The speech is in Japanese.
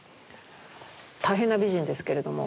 大変な美人ですけれども。